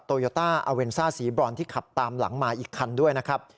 โยต้าอาเวนซ่าสีบรอนที่ขับตามหลังมาอีกคันด้วยนะครับ